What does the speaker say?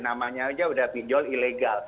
namanya aja udah pinjol ilegal